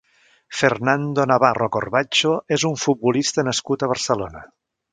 Fernando Navarro Corbacho és un futbolista nascut a Barcelona.